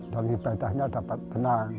dan ibadahnya dapat tenang